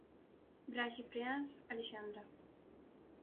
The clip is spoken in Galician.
Braxe Freáns, Alexandra.